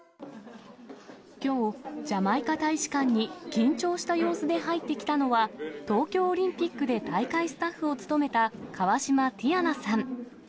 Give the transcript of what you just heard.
きょう、ジャマイカ大使館に緊張した様子で入ってきたのは、東京オリンピックで大会スタッフを務めた、河島ティヤナさん。